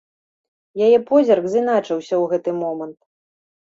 Яе позірк з'іначыўся ў гэты момант.